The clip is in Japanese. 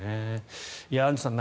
アンジュさん